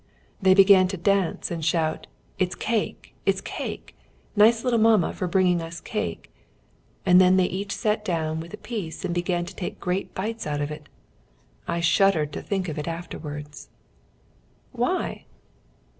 They began to dance and shout: 'It's cake! It's cake! Nice little mamma for bringing us cake.' And then they each sat down with a piece and began to take great bites out of it. I shuddered to think of it afterward." "Why?"